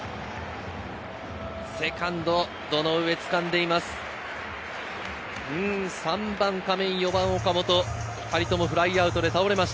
セカンド・堂上、つかんでいます。